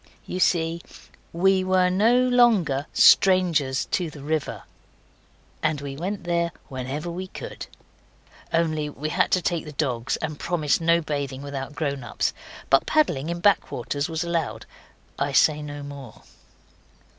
You see, WE WERE NO LONGER STRANGERS TO THE RIVER. And we went there whenever we could. Only we had to take the dogs, and to promise no bathing without grown ups. But paddling in back waters was allowed. I say no more.